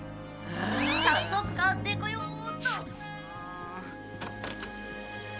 早速買ってこようっと！